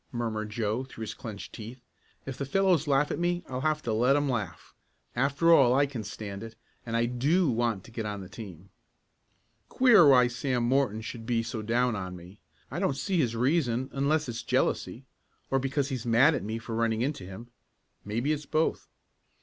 murmured Joe through his clenched teeth. "If the fellows laugh at me I'll have to let 'em laugh. After all I can stand it, and I do want to get on the team. "Queer why Sam Morton should be so down on me. I don't see his reason unless it's jealousy, or because he's mad at me for running into him. Maybe it's both.